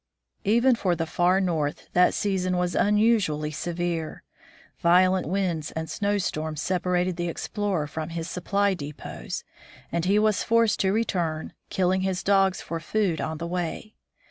Even for the far North that season was unusually severe. Violent winds and snowstorms separated the explorer from his supply depots, and he was forced to return, kill ing his dogs for food on the way.